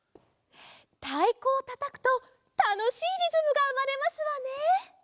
たいこをたたくとたのしいリズムがうまれますわね。